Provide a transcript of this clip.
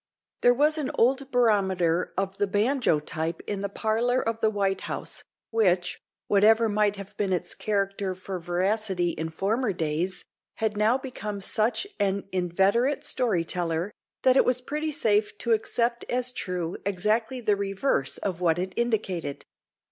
There was an old barometer of the banjo type in the parlour of the White House, which, whatever might have been its character for veracity in former days, had now become such an inveterate story teller, that it was pretty safe to accept as true, exactly the reverse of what it indicated.